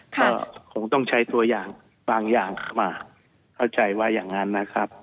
ก็คงต้องใช้ตัวอย่างบางอย่างเข้ามาเข้าใจว่าอย่างนั้นนะครับ